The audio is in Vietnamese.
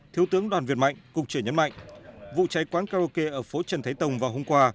thiếu tướng đoàn việt mạnh cục chữa nhấn mạnh vụ cháy quán karaoke ở phố trần thái tông vào hôm qua